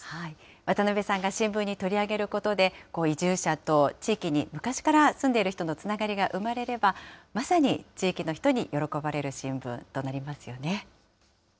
渡辺さんが新聞に取り上げることで、移住者と地域に昔から住んでいる人のつながりが生まれれば、まさに地域の人に喜ばれる新聞となりますよね。